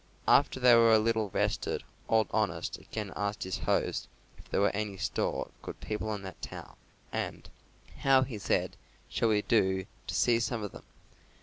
After they were a little rested Old Honest again asked his host if there were any store of good people in that town; and, "How," he said, "shall we do to see some of them?